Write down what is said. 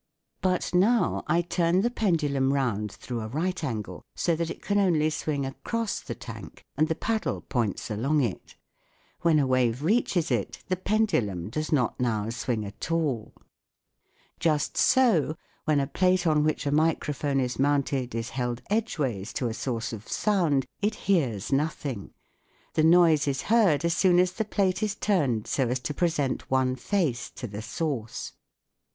But now I turn SOUND IN WAR 175 Bi _ Djreciional Hydrophone the pendulum round through a right angle so that it can only swing across the tank and the paddle points along it. When a wave reaches it, the pendulum does not now swing at all. Just so when a plate on which a microphone is mounted is held edgeways to a source of sound, it hears no thing ; the noise is heard as soon as the plate is turned so as to present one face to the source.